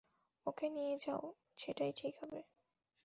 ওকে নিয়ে যাও, সেটাই ঠিক হবে।